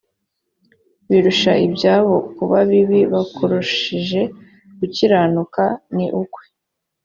birusha ibyabo kuba bibi bakurushije gukiranuka ni ukwe